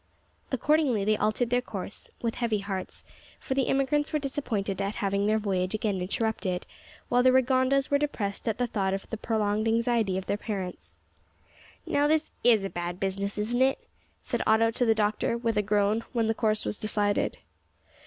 Accordingly, they altered their course, with heavy hearts, for the emigrants were disappointed at having their voyage again interrupted, while the Rigondas were depressed at the thought of the prolonged anxiety of their parents. "Now this is a bad business, isn't it?" said Otto to the doctor, with a groan, when the course was decided.